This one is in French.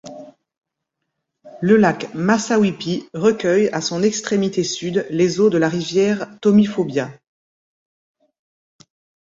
Le lac Massawippi recueille, à son extrémité sud, les eaux de la rivière Tomifobia.